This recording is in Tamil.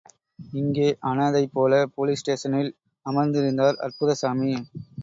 இங்கே அநாதைபோல, போலீஸ் ஸ்டேஷனில் அமர்ந்திருந்தார் அற்புதசாமி.